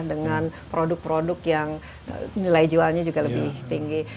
dengan produk produk yang nilai jualnya juga lebih tinggi